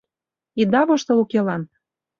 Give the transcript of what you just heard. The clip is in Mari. Ида воштыл укелан: